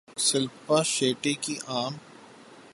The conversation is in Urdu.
شلپا شیٹھی کی ام